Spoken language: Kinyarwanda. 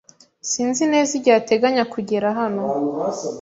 Sinzi neza igihe ateganya kugera hano.